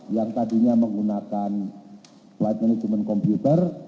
yang tadinya menggunakan flight management computer